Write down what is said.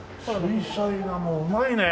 水彩画もうまいね！